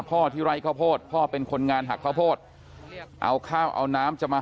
ที่ไร่ข้าวโพดพ่อเป็นคนงานหักข้าวโพดเอาข้าวเอาน้ำจะมา